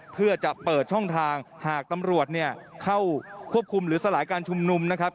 เพื่อจะเปิดช่องทางหากตำรวจเนี่ยเข้าควบคุมหรือสลายการชุมนุมนะครับ